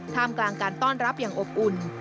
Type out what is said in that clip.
มกลางการต้อนรับอย่างอบอุ่น